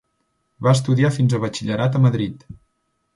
Va estudiar fins a batxillerat a Madrid.